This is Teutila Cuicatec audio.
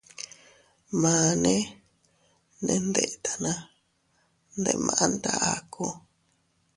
Mane ne ndetana, ndemanta aku.